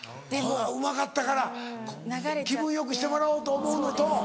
うまかったから気分よくしてもらおうと思うのと。